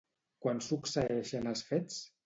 Quan succeeixen els fets?